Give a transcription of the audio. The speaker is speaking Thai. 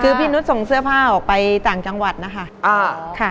คือพี่นุษย์ส่งเสื้อผ้าออกไปต่างจังหวัดนะคะ